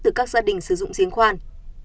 từ các gia đình sử dụng diễn khoan